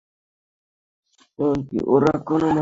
এমনকি ওরা কোনো মানুষ না।